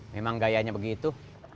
memang gayanya begitu